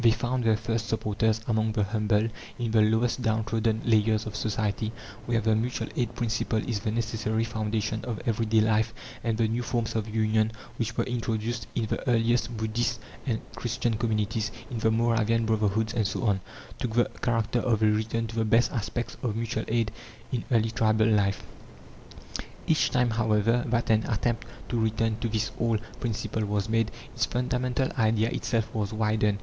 They found their first supporters among the humble, in the lowest, downtrodden layers of society, where the mutual aid principle is the necessary foundation of every day life; and the new forms of union which were introduced in the earliest Buddhist and Christian communities, in the Moravian brotherhoods and so on, took the character of a return to the best aspects of mutual aid in early tribal life. Each time, however, that an attempt to return to this old principle was made, its fundamental idea itself was widened.